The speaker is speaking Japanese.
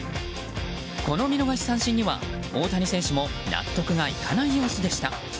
この見逃し三振には大谷選手も納得がいかない様子でした。